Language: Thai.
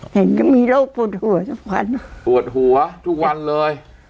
เห็นก็มีโรคปวดหัวทุกวันปวดหัวทุกวันเลย